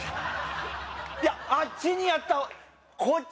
いやあっちにやったこっち？